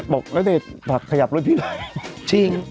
บอกแนะเตศ่ขยับรถด้วยพี่ด้วย